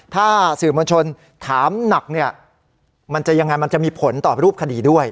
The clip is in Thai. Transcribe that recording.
ถ้าสื่อมวลชนถามหนักเนี่ยมันจะยังไงมันจะมีผลต่อรูปคดีด้วย